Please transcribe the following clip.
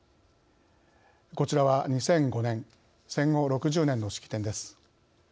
こちらは２００５年戦後６０年の式典です。